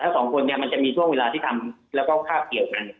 สองคนเนี่ยมันจะมีช่วงเวลาที่ทำแล้วก็คาบเกี่ยวกัน